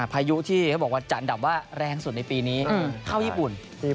พายุที่มันจัดหนับว่าแรงสุดในปีนี้เข้ายีปุ่น